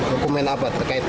dokumen apa terkait